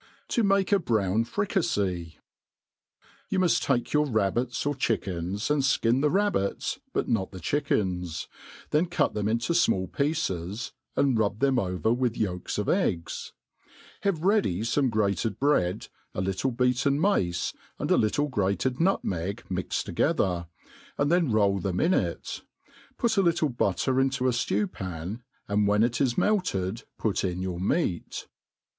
To make a Brown Fricafey. YOU muft take your rabbits or chickens, and (kin the rab « bits, but not the chickens, then cut them into fmall pieces^ and rub them over with yolks of eggs* Have ready fome grated bread, a little beaten mace,^ and a little grated nutmeg mixt together, and then roll them in it: put a little butter into a ftew pan, and when it is melted put in your meat.